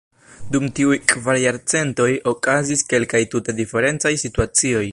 Dum tiuj kvar jarcentoj, okazis kelkaj tute diferencaj situacioj.